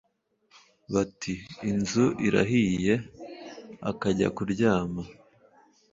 Bati:” Inzu irahiye !“ Akajya kuryama !